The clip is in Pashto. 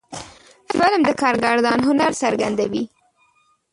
فلم د کارگردان هنر څرګندوي